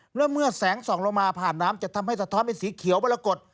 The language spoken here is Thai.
เมื่อแสงส่องลงมาผ่านน้ำจะทำให้สะท้อนเป็นสีเขียวมรกฏ